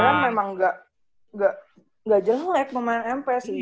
emang gak gak jelit pemain mp sih